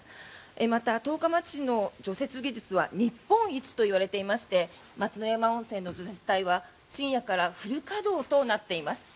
また、十日町市の除雪技術は日本一と言われていまして松之山温泉の除雪隊は深夜からフル稼働となっています。